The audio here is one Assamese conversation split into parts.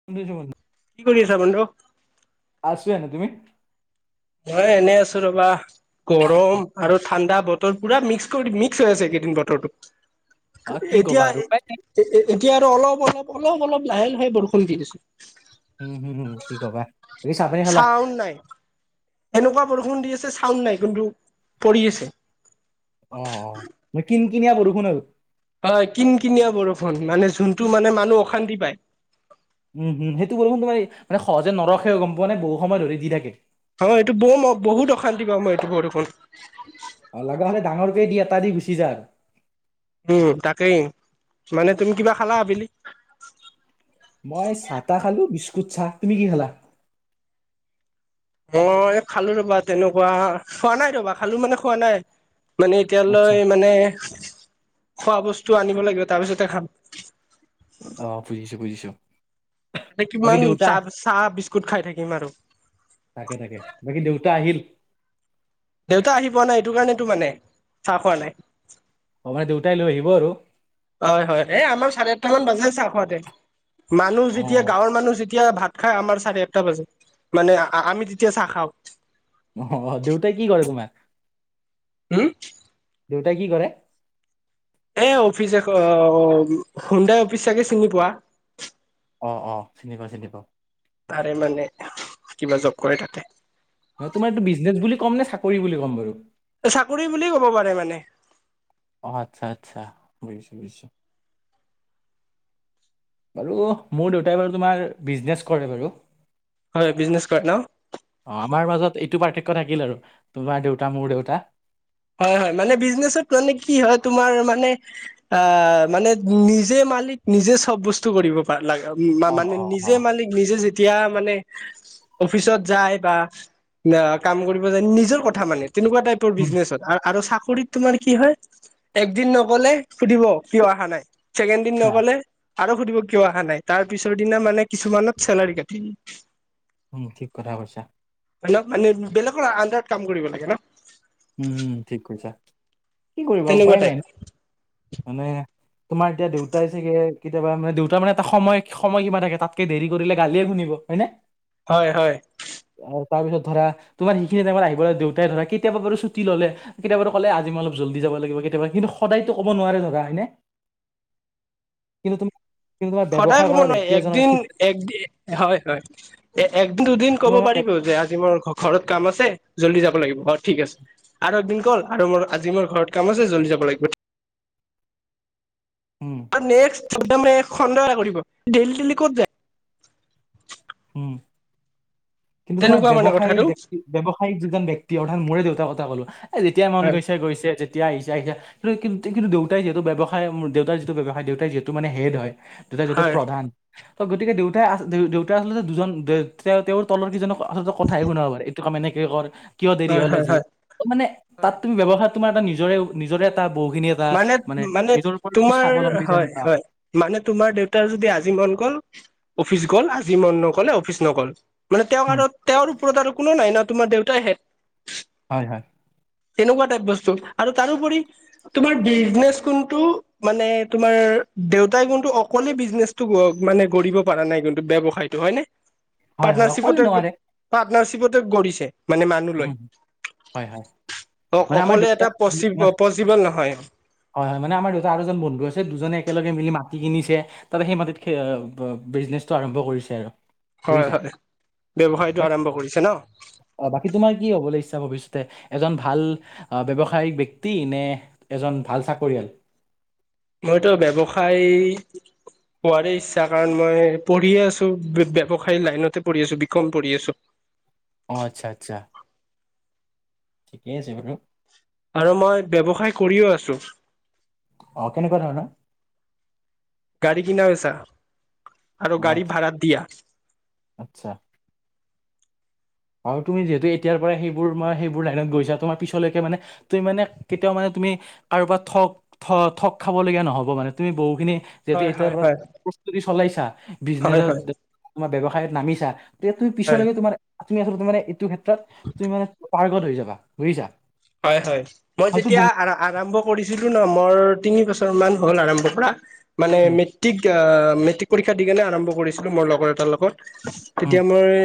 [inaudible] কি কৰি আছা বন্ধু? আছো এনেই। তুমি? মই এনেই আছো ৰবা। গৰম আৰু ঠাণ্ডা বতৰ পুৰা মিক্স কৰি, মিক্স হৈ আছে এইকেইদিন বতৰটো। অ কি এতিয়া ক'বা আৰু উপায় নাই। এতিয়া, আৰু অলপ-অলপ, অলপ-অলপ, লাহে-লাহে, বৰষুণ দি দিছো। উম-হুম, হ, কি ক'বা? বাকী চাহ পানী খালা? চাউণ্ড নাই, এনেকুৱা বৰষুণ দি আছে। চাউণ্ড নাই, কিন্তু পৰি আছে। অ', অ', কিন-কিনীয়া বৰষুণ, আৰু। হয়, কিন-কিনিয়া বৰষুণ, মানে, যোনটো, মানে, মানুহ, অশান্তি পায়। উম, সেইটো বৰষুণ, তোমাৰ, মানে, সহজে নৰখে, গম পোৱা নে, বহু সময় ধৰি, দি থাকে। অ', এইটো, বম, বহুত, অশান্তি পাওঁ মই, এইটো বৰষুণ। অ', লাগা হ'লে, ডাঙৰকে, দি, এটা দি, গুচি যা, আৰ। উম, তাকেই, মানে, তুমি, কিবা খালা, আবেলি? মই, চাহ-তাহ খালো, বিস্কুট, চাহ। তুমি, কি খালা? মই খালো ৰ'বা, তেনেকুৱা খোৱা নাই, ৰ'বা খালো, মানে, খোৱা নাই। মানে, আচ্ছা এতিয়ালৈ, মানে, খোৱা বস্তু আনিব লাগিব। তাৰপিছতে, খাম। অ', বুজিছো, বুজিছো। [unintelligible] বাকী কিমান, দেউতা চাহ, চাহ-বিস্কুট খাই থাকিম, আৰু। তাকে, তাকে, বাকী। দেউতা আহিল। দেউতা আহি পোৱা নাই, এইটো কাৰণেতো, মানে, চাহ খোৱা নাই। অ', মানে, দেউতাই লৈ আহিব, আৰু। হয়, হয়। এ, আমাৰ চাৰে আঠটা মান বাজেই, চাহ খাওঁতে। মানুহ, অ যেতিয়া, গাঁৱৰ মানুহ, যেতিয়া, ভাত খাই, আমাৰ, চাৰে আঠটা বাজে, মানে, আমি, তেতিয়া, চাহ খাওঁ। অ', অ'। দেউতাই, কি কৰে, তোমাৰ? হঁম। দেউতাই, কি কৰে? এ, অফিচে। অ', হুণ্ডাই অফিচ, চাগে, চিনি পোৱা? অ', অ', চিনি পাওঁ, চিনি পাওঁ। তাৰে, মানে, কিবা জব কৰে, তাতে। [unintelligible] তোমাৰ, এইটো, বিজনেছ বুলি কম নে, চাকৰি বুলি ক'ম বাৰু? চাকৰি বুলি ক'ব পাৰে, মানে। অ', আচ্ছা, আচ্ছা। বুজিছো, বুজিছো। বাৰু, মোৰ দেউতাই, বাৰু, তোমাৰ, বিজনেছ কৰে, বাৰু। হয়, বিজনেছ কৰে, ন। অ', আমাৰ মাজত, এইটো পাৰ্থক্য থাকিল, আৰু, তোমাৰ দেউতা, মোৰ দেউতা। হয়, হয়। মানে, বিজনেছত, মানে, কি হয়, তোমাৰ, মানে। আহ, মানে, নিজে মালিক, নিজে, চব বস্তু কৰিব, [unintelligible] অ', মানে, অ', নিজে অ'। মালিক, নিজে, যেতিয়া, মানে অফিচত যায়, বা, কাম কৰিব যায়, নিজৰ কথা, মানে, তেনেকুৱা টাইপৰ, উম, বিজনেছত। আৰু, চাকৰিত, তোমাৰ, কি হয়। একদিন নগ'লে, সুধিব, কিয় অহা নাই। চেকেণ্ড দিন, হা, নগ'লে আৰু, সুধিব, কিয় অহা নাই। তাৰ পিছৰ দিনা, মানে, কিছুমানত, চেলাৰী কাটি উম, ঠিক কথা কৈছা। [unintelligible] মানে, বেলেগৰ আণ্ডাৰত, কাম কৰিব লাগে, ন। উম, ঠিক কৈছা। কি কৰিবা, তেনেকুৱা উপায় নাই, টাইপ ন, মানে। তোমাৰ, এতিয়া, দেউতাই, চাগে, কেতিয়াবা, মানে, দেউতা, মানে, এটা সময় সময় সীমা থাকে, তাতকে, দেৰি কৰিলে, গালিয়ে শুনিব, হয়, নে। হয়, হয়। আৰু, তাৰ পিছত, ধৰা, তোমাৰ, সিখিনি টাইমত আহিবলৈ, দেউতাই, ধৰা, কেতিয়াবা, বাৰ ছুটি ল'লে, কেতিয়াবা, ক'লে, আজি, মই, অলপ, জল্দি যাবা লাগিব। কেতিয়াবা, কিন্তু, সদায়তো, ক'ব নোৱাৰে, ধৰা, হয়, নে। [inaudible] কিন্ত, তুমি সদায়, ক'ব নোৱাৰি। একদিন, এক হয়, হয়। এ, একদিন, দুদিন, ক'ব তোমাৰ মানে পাৰিব যে, আজি, মোৰ ঘৰত কাম আছে, জল্দি যাব লাগিব। অ', ঠিক আছে। আৰু, এদিন, [unintelligible] আৰু, মোৰ, আজি, মোৰ ঘৰত কাম আছে, জল্দি যাব লাগিব। উম [unintelligible] হুম কিন্তু তোমাৰ তেনেকুৱা মানে ব্যৱসায়ী কথাটো ব্যক্তি ব্যৱসায়িক যিজন ব ব্যক্তি অৰ্থাৎ মোৰে দেউতাৰ কথা কলো এ যেতিয়া মন হয় গৈছে গৈছে তেতিয়া আহিছে আহিা কি কিন্তুউতাই যিহেতু্ৱসায় দেউতাৰ যিটো ব্যৱসায় দেউতাই যিহেতু মানে হেড হয় দেউতাই যিহেত হয় প্ৰধান ত গতিকে দেউতাই আ দেউতাই আচলতে দুজন তেওঁ তেওঁৰ তলৰ কেইজনক আচলতে কথাই গুনাাবাৰে এইটো কাম এনেকে কৰ কিয় দেৰি হয় হ'ল হয় আজি হয় ত মানে হয় তাত তুমি ব্যয়ৱসাৰ তোমাৰ এটা নিজৰে নিজৰে এটা বহুখিনি এটা মানে মানে নিজৰ ওপৰত তুমি তোমাৰ স্বাৱলম্বী যেন হয় এটা হয় মানে তোমাৰ দেউতাৰ যদি আজি মন গ'ল অফিচ গ'ল আজি মন নক'লে অফিচ নগ'ল মানে তেওঁ উম, আৰু তেওঁৰ ওপৰত আৰু কোনো নাই ন তোমাৰ দেউতাই হেঁত হয় হয় তেনেকুৱা টাইপ বস্তু আৰু তাৰোপৰি তোমাৰ বিজনে কোনটো মানে তোমাৰ দেউতাই কোনটো অকলে বিজনে মানে কৰিব পৰা নাই কিন্তু ব্যৱসায়তটো হয় নাই হয়, হয়, অকলে পাৰ্টনাৰশ্বিপতে নোৱাৰে। পাৰ্টনাৰশ্বিপতে গ়ছে মানে মানুহ লৈ উম, হয়, হয়, অ মানে আমাৰ অকলে দেউতা এটা পচ দু- পচিবল নহয় হয় হয় মানে আমাৰ দেউতা দুজন বন্ধু আছে দুজনে একেলগে মিলি মাটি কিনিছে তাতে সেই মাটিত বিজনেচটো আৰম্ভ কৰিছে আৰু হয় বুজিছা? হয় ব্য্ৱসায়টো আৰম্ভ কৰিছে ন স তুমাৰ কি হবলৈ ইচ্ছা ভৱিষ্যতে এজন ভাল অহ ব্যৱসায়িক ব্যক্তি নে এজন ভাল চাকৰিয়াল মইতো ব্যৱসায় হোৱাৰ ইচ্ছা কাৰণ মই পঢ়িয়ে আছো ব্যয়ৱসায়ী লাইনতে পঢ়ি আছো বি কম পঢ়ি আছো অঁ আচ্ছা আচ্ছা ঠিকে আছে বাৰু আৰু মই ব্যৱসায় কৰিও আছো অ কেনেকুৱা ধৰ ন গাড়ী কিনা হৈছা আৰু অ', গাড়ী ভাড়াত দিয়া আচ্ছা আৰু তুমি যিহেতু এতিাৰ পৰা সেইবোৰ মই সেইোৰ লাইত গৈছা তোাৰিছলৈকে মানে তুমি মানে কেতিয়াও মানে তুমি কাৰোবাত থক থ ঠগ খাবলগীয়া নহব মানে তুমি বহুখিনি যিহেতু হয় এতিাৰ হয় পৰা হয় প্ৰস্তুতি চলাইছা হয় বিজনেচত হয় ব্য্ৱসায়ত নামিছা তেতিয়া তুমি হয় পিছলৈকে তোমাৰ তুমি আচলতে মানে এইটো ক্ষেত্ৰত তুমি মান পাৰ্ত হৈ যাবাুিছা হয় হয় মই যেতিয়া আৰম্ভ কৰিছিলো ন মোৰ তিনি বছৰ মান হ'ল আৰম্ভ পৰা মানে উম মেট্ৰিক মেট্ৰিক পৰীক্ষা দি কাৰনেে আৰম্ভ কৰিছিলোঁ মোৰ লগৰ এটাৰ লগত উম তেতিয়া মই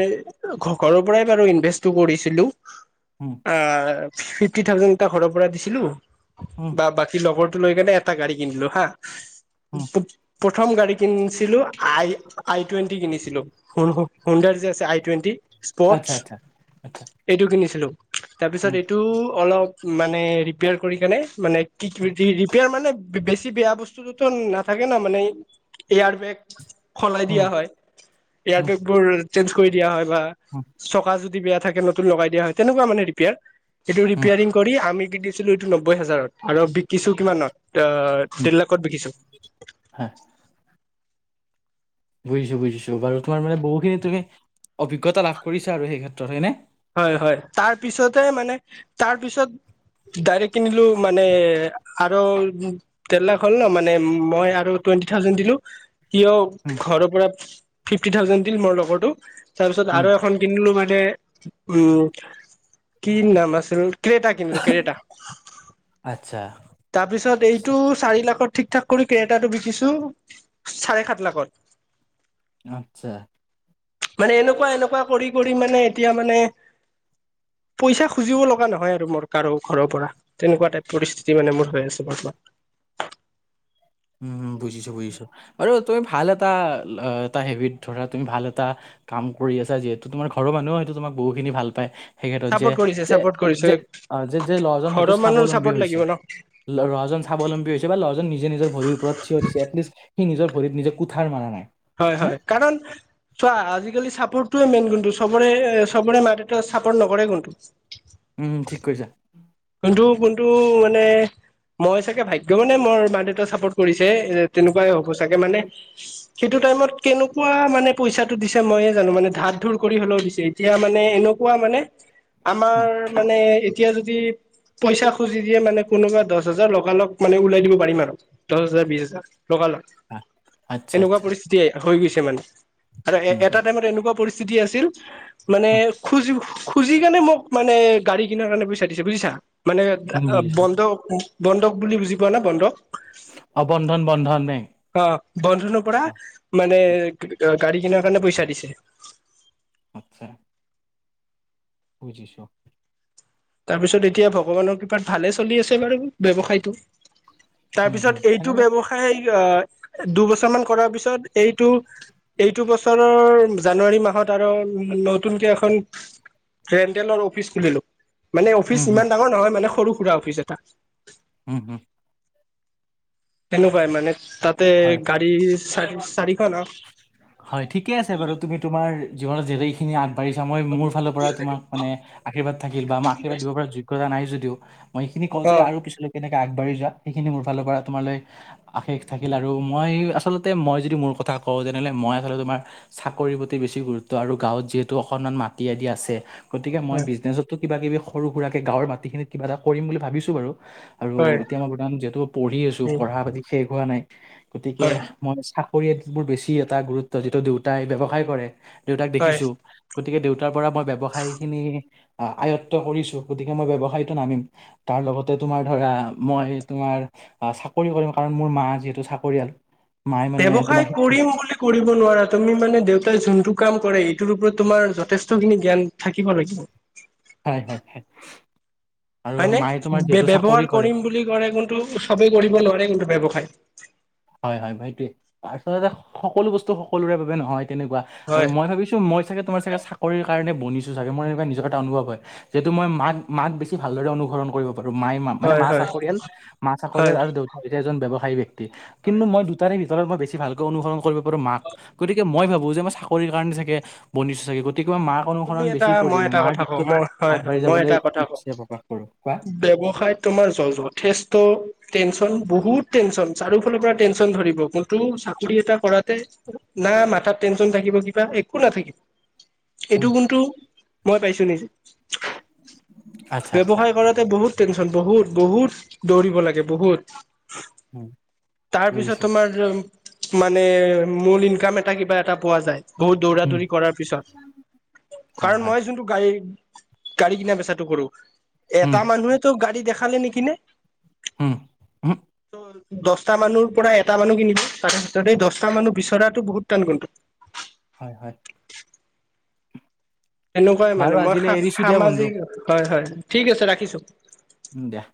ঘৰৰ পৰাই বাৰু ইনভেষ্টটো কৰিছিলো হম ফিফটি থাজে এ ঘৰৰ পৰা দিছিলো উম বা ব স লগৰটো লৈ কেনে এটা গাড়ী কিনিলো হা উম প্ৰথম গাড়ী কিনিছিলো আই আই টুৱেণ্টি কিনিছিলো হুন্দাৰ যে আছে আই টুৱেণ্টি স্পৰ্টচ আচ্ছা আচ্ছা আচ্ছা এইটো কিনিছিলো তাৰপিছত উম এই অলপ মানে মানে কিপয়াৰ মানে বেছি বেয়া বস্তু নুত না থাকে ন মান এয়াৰ বেগ সলাই উম দিয়া হয় এয়াৰ বেগ বোৰ চেঞ্জ কৰি দিয়া হয় বা অ চকা যদি বেয়া থাকে নতুন লগাই দিয়া হয় তেনেকুৱা মানে ৰিপেয়াৰ এইেইটো উম ৰিপেয়াৰিং কৰি আমি যদি। ো এইটো নব্বৈ হাজাৰত আৰু বিকিছো কিমানত অ দেেৰ লাখত বিকিছো। হ। বুজিছো বুজিছো বাৰু তোমাৰানে বহুখিনি তুমি অভিজ্ঞতা লাভ কৰিছা সেই ক্ষেত্ৰত হয়নেে? হয় হয় তাৰ পিছতহে মানে তাৰ পিছত ডাইৰেক্ট কিনিলো মানে? আৰু তেৰ লাখ হ'ল ন মানে মই আৰু টুৱেণ্টি থাউজেড দিলো। কিয় উম ঘৰৰ পৰা ফিফটি থাউজেণ্ড দিল মোৰ লগৰো। তাৰপিছত উম, আৰু এখন কিনিলো মানে। উম কি নাম আছিল কৰেটাা কিন্তলো কৰেটাা। আচ্ছা! তাৰ পিছত এইটো চাৰি লাখৰ ঠিক ঠাক কৰি কেৰেটাটো বিকিছো চাৰে সাত লাখত।। [unintelligible] মানে এনেকুৱা এনেকুৱা কৰি কৰি মানে এতিয়া মানে? পইচা খুজিব লগা নহয় আৰু মোৰ কাৰো ঘৰৰ পৰা তেনেকুৱা টাইপ পৰিস্থিতি। যি মানে, মোৰ হৈ আছ বৰ্তমান। উ বুজিছো বুজিছো বাৰু, তুমি ভাল এটা এটা হেবিট ধৰা তুমি ভাল এটা। কাম কৰি আছে যিহেতু তোমাৰ ঘৰ মানুহ হয়েইটো তোমাক বহুখিনি ভাল পায়। সেই ক্ষেত্ৰত যে, চাপৰ্ট কৰিছে যে, চাপৰ্ট কৰিছে যে, যে ল'ৰাজন ঘৰৰ হয়তো মানুহৰ স্বাৱলম্বী চাপৰ্ট হৈছে। লাগিব ন লৰাজন স্বাৱলম্বী হৈছে, বা ল'ৰাজন নিজে নিজৰ। ভৰিৰ ওপৰত থিয় দিছে এটলিষ্ট সি নিজৰ ভৰিত নিজে কোঠাৰ মাৰা নাই। হয়, হে হয়, কাৰণ? চোৱা আজিকালি চাপোৰ্টোৱে মেইন কোনটো চবৰে চবৰে মা দে চাপৰ্ট নকৰে কন্তটো। ঠিক কৈছা। কোনটো কোনটো মানে? মই চাগে, ভাগ্য মানে মোৰ মা দেউতাক চাপোৰ্ট কৰিছে এ তেনেকুৱাই হ'ব চাগে মানে। সেইটো টাইমত কেনেকুৱা মানে পইচাটো দিছে মইয়ে, জানো মানে ধাত ধুৰ কৰি হ'লেও বিচাৰি। এতিয়া মানে, এনেকুৱা মানে আমাৰ উম, মানে এতিয়া যদি। পইচা খুজি দিয়ে মানে কোনোবা দহ হাজাৰ লগালগ মানে ওলাই দিব পাৰিম আৰু। দহ হাজাৰ বিছ হাজাৰ লোকাল লাগ। আ- আচ্ছা, এনেকুৱা আচ্ছা। পৰিস্থিতি হৈ গৈছে মানে, আৰু এ উম, এটা হুম, টাইমত এনেকুৱা পৰিস্থিতি। আছিল মানে হুম, খুজি। খুজি কেনে মোক মানে, গাড়ী কিনাৰ কাৰণে পইচা দিছে বুজিছা মানে উম, বুজিছোঁ। বন্ধ। বন্ডক বুলি বুজি পোৱা নে বণ্ধক। অ', ন্ধন বন্ধন ন অ ', বন্ধনৰ পৰা মানে গাড়ী কিনাৰ কাৰণে পইচা দিছে। আত্ছা! বুজিছো। তাৰ পিছত, এতিয়া ভগৱানৰ কৃপাত ভালে চলি আছে বাৰু ব্যৱসায়টো। তাৰ উম, হুম, পিছত, এইটো সেনেকে- ব্যয়ৱসায় আহ দুবছৰ মান কৰাৰ পিছত এইটো। এইটো বছৰৰ জানুৱাৰী মাহত আৰু নতুনকে এখন। ৰেণ্টেলৰ অফিচ খুলিলো মানে উম, অফিচ হুম, ইমান ডাঙৰ নহয় মানে সৰু সুৰা অফিচ এটা। উম হুম। সেনেকুৱাই মানে তাতে হয়। গাড়ী চাৰি চাৰিখন হয়, ঠিকে আছে বাৰু তুমি তোমাৰ জীৱনত যে খিনি আগবাঢ়িছ মোৰ ফালৰ পৰা তোম মে আশ্ব থিল বা মই আশীৰ্বাদ দিব পৰা য। নাই যদিও মই সেইখিনি কওঁ অ যে আৰু পিছ কেনেকে আগবাঢ়ি যোৱা সেইখিনি মোৰ ফালৰ পৰা তোমাল। আশেষ থাকিল, আৰু মই আচলতে মই যদি মোৰ কথা কওঁ যেনেহলে মই আচলতে তোমাৰ। চাকৰিৰ প্ৰতি বেছি গুৰুত্ব, আৰু গাঁৱত যিহেতু অকনমান মাটি আদি আছে। গতিকে মই বিজনেচতো কিবা কিবি সৰু সুৰাকে গাঁৱৰ মাটিখিনিত কিবা এটা কৰিম বুলি ভাবিছো বাৰু। আৰু হয় হয় এতিয়া মই বৰ্তমান যিহেতু পঢ়ি আছো পঢ়া পাতি শেষ হোৱা নাই গতিকে,। হয় হয় মই চাকৰি মোৰ বেছি এটা গুৰুত্ব, যিটো দেউতাই ব্ৱসায় কৰে দেউতাক হয় দেখিছোঁ। গতিকে দেউতাৰ পৰা মই ব্যৱসায় খিনি আয়ত্ব কৰিছো গতিকে মই ব্যৱসায়টো নামিম,। তাৰ লগতে তোমাৰ ধৰা মই তোমাৰ'। অ, ' ‌ চাকৰি কৰিম কাৰণ মোৰ মা যিহেতু চাকৰিয়াল মায়ে মানে ব্যৱসায় তোমাৰ,। বুলি কৰিব নোৱাৰা, তুমি মানে দেউতাই যোনটো কাম কৰে সটোৰ ওপৰত তোমাৰ যে'। খিনি জ্ঞান থাকিব লাগিব,। হয়, ‌হয়, হয় আৰু হয় মায়ে তোমাৰ ন, যিহেতু চাকৰি ব্যৱহাৰ কৰে কৰিম বুলি কলে কিন্তু চবেই কৰিব নোৱাৰে কিন্তু ব্যৱসায়,। হয়, হয় ভাইটোৱে তাৰলতে সকলো বস্তু সকলোৰে বাবে নহয় তেনেকুৱা,। আৰু হয় মই ভাবিছো মই চাগে, তোমাৰ চাগে কৰি কাৰণে বনিছোঁছাগে, মোৰ এনেকে নিজৰ এটা অনুভ হয়। যিহেতু মই মাত বেছি ভালদৰে অনুসৰণ কৰিব মাই মা মানে হয় মা হয় চাকৰিয়াল, মা চাকৰিয়াল হয় আৰু দেউতা হৈছে এজন ব্যৱসায়ী ব্যক্তি হয় কিন্তু মই দুটাৰে ভিতৰত মই বেছি ভালকৈ অনুসৰণ কৰিব পাৰো মাক, গতিকে মই ভাবো যে মই কাৰণে চাগে বনিচো চাগে। গতিকো মই মাক তুমি অনুসৰণ এটা বেছি কৰি মই এটা মাৰ কথা কওঁ, দিশটোত মই হয়-হয় আগবাঢ়ি মই যাবলৈ এটা কথা কওঁ ইচ্ছা প্ৰকাশ কৰোঁ কোৱা ব্যৱসায়ত তোমাৰ য যথেষ্ট টেনচন বহুত টেনচন চাৰিও ফালৰ পৰা টেনচন ধৰিব। কিন্তু চাকৰি এটা কৰাতে না, মাথাত টেনশন থাকিব, কিবা একো নাথাকিব। উম এইটো কোনটো মই পাইছো নিজে, আচ্ছা আচ্ছা ব্যৱসায় কৰাত বহুত টেনচন বহুত-বহুত দৌৰিব লাগে বহুত। উম তাৰপিছত বুজিছো তোমাৰ মানে, মূল ইনকাম এটা কিবা এটা পোৱা যায়, বহুত দৌৰা উম দৌৰি কৰাৰ পিছত। হয় কাৰণ হয় মই যোনটো গাড়ী গাড়ী কিনা বেচাটো কৰো, উম এটা মানুহে তো গাড়ী দেখালে নিকিনে। উম। দছটা মানুহ পৰা এটা মানুহ কিনিব, তাৰে ভিতৰত এই দছটা মানুহ বিচৰাটোো বহুত টান কিন্ত। হয়, হয়। এনেকুৱাই মান, বাৰু মই আজিলৈ এৰিছো দিয়া বন্ধু সামাজিক হয়, হয় ঠিক আছে ৰাখিছোঁ। দিয়া।